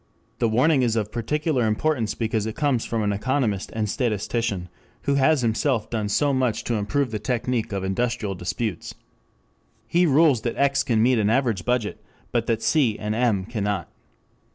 The warning is of particular importance because it comes from an economist and statistician who has himself done so much to improve the technic of industrial disputes.] He rules that X can meet an average budget, but that C and M cannot.